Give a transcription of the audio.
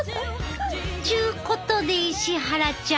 ちゅうことで石原ちゃん。